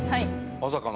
まさかの？